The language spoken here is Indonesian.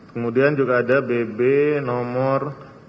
kemudian juga ada bb nomor